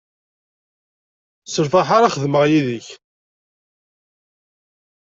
S lferḥ ara xedmeɣ yid-k.